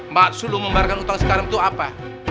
maksud lo membaharkan utang sekarang itu apa